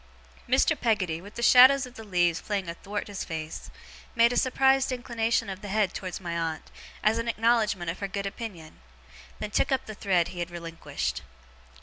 Mr. Peggotty, with the shadows of the leaves playing athwart his face, made a surprised inclination of the head towards my aunt, as an acknowledgement of her good opinion; then took up the thread he had relinquished.